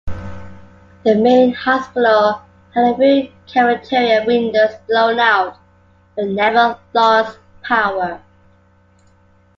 The main hospital had a few cafeteria windows blown out, but never lost power.